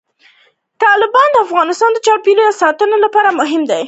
تالابونه د افغانستان د چاپیریال ساتنې لپاره مهم دي.